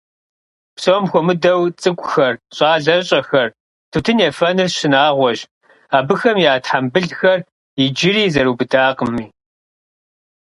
Псом хуэмыдэу цӀыкӀухэр, щӀалэщӀэхэр тутын ефэныр шынагъуэщ, абыхэм я тхьэмбылхэр иджыри зэрыубыдакъыми.